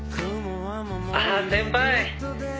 「ああ先輩！」